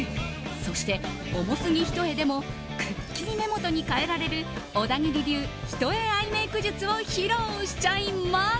そして、重すぎ一重でもくっきり目元に変えられる小田切流一重アイメイク術を披露しちゃいます！